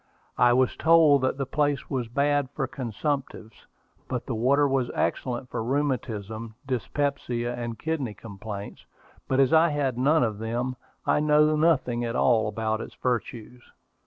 I was told that the place was bad for consumptives, but the water was excellent for rheumatism, dyspepsia, and kidney complaints; but as I had none of them, I know nothing at all about its virtues.